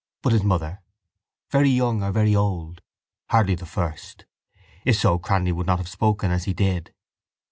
But his mother? Very young or very old? Hardly the first. If so, Cranly would not have spoken as he did.